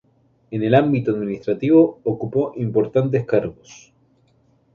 En el ámbito administrativo ocupó importantes cargos.